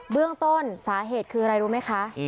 เรื่องต้นสาเหตุคืออะไรรู้ไหมคะ